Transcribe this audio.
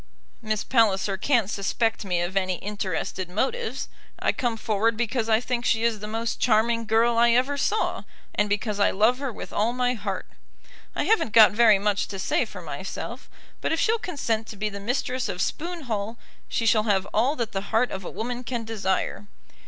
Miss Palliser can't suspect me of any interested motives. I come forward because I think she is the most charming girl I ever saw, and because I love her with all my heart. I haven't got very much to say for myself, but if she'll consent to be the mistress of Spoon Hall, she shall have all that the heart of a woman can desire.